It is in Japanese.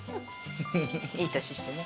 いい年してね。